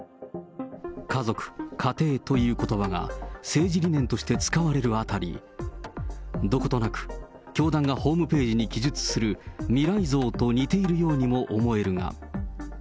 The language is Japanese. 家族・家庭ということばが、政治理念として使われるあたり、どことなく、教団がホームページに記述する未来像と似ているようにも思えるが。